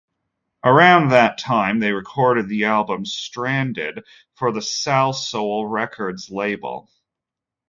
Around that time they recorded the album "Stranded" for the Salsoul records label.